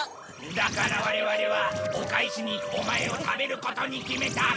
だから我々はお返しにオマエを食べることに決めた。